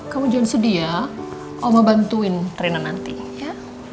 kamu jangan sedih ya om mau bantuin rina nanti ya